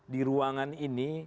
di ruangan ini